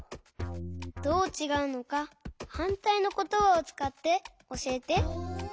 どうちがうのかはんたいのことばをつかっておしえて。